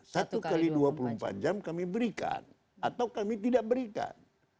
satu x dua puluh empat jam kami berikan atau kami tidak berikan